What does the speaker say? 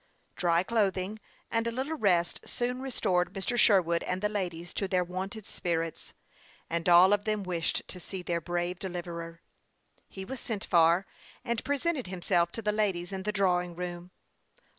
69 Dry clothing and a little rest soon restored Mr. Sherwood and the ladies to their wonted spirits, and all of them wished to see their brave deliv erer. He was sent for, and presented himself to the ladies in the drawing room.